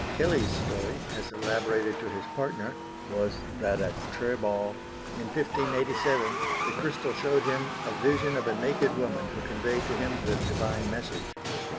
Kelley's story, as elaborated to his partner, was that at Tribau, in 1587, the crystal showed him a vision of a naked woman who conveyed to him the divine message.